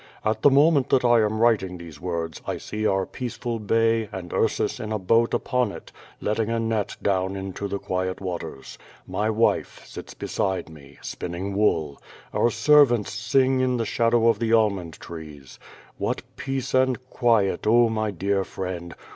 At the moment that I am writing these words, I see oiir peaceful bay and Ursus in a boat upon it, letting a net dmvn into the quiet waters. ^My wife sits beside me, spinniig wool. Our servants sing in the shadow of the almonHTtrees. What peace and quiet, oh, my dear friend!